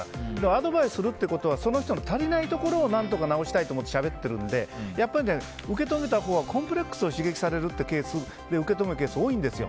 アドバイスするってことはその人の足りないところを何とか直したいと思ってしゃべってるんでやっぱりね、受け止めたほうはコンプレックスを刺激されるってケース多いんですよ。